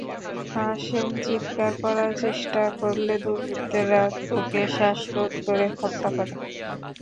হাশেম চিত্কার করার চেষ্টা করলে দুর্বৃত্তরা ওকে শ্বাসরোধ করে হত্যা করে।